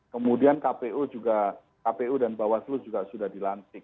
kemudian kpu juga kpu dan bawaslu juga sudah dilantik